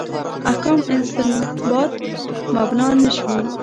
احکام استنباط مبنا نه شوي.